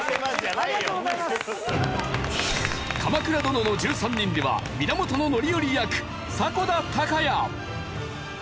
『鎌倉殿の１３人』では源範頼役迫田孝也。